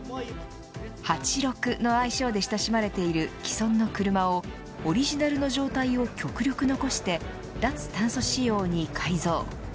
ハチロクの愛称で親しまれている既存の車をオリジナルの状態を極力残して脱炭素仕様に改造。